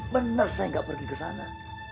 benar saya nggak pergi ke sana